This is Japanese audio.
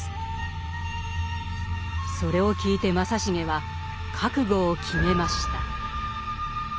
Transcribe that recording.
それを聞いて正成は覚悟を決めました。